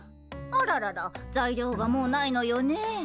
あららら材料がもうないのよねえ。